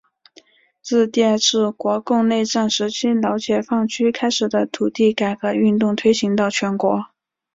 自第二次国共内战时期老解放区开始的土地改革运动推行到全国。